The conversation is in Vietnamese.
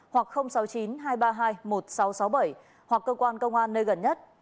hoặc cơ quan công an nơi gần nhất